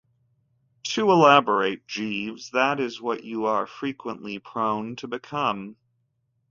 Too elaborate, Jeeves — that is what you are frequently prone to become.